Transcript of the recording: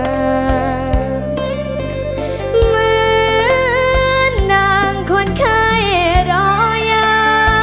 เหมือนนางคนไข้รอยา